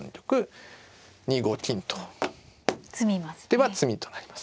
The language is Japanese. でまあ詰みとなります。